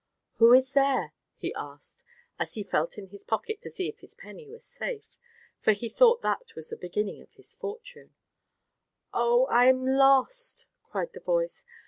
"Who is there?" he asked, as he felt in his pocket to see if his penny was safe, for he thought that was the beginning of his fortune. "Oh, I'm lost!" cried the voice.